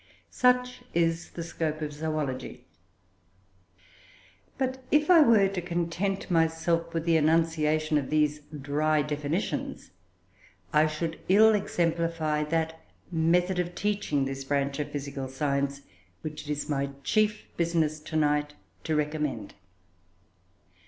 Such is the scope of zoology. But if I were to content myself with the enunciation of these dry definitions, I should ill exemplify that method of teaching this branch of physical science, which it is my chief business to night to recommend.